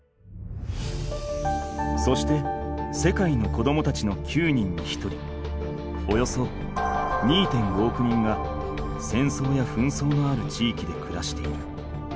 そして世界の子どもたちの９人に１人およそ２．５億人が戦争や紛争のある地域で暮らしている。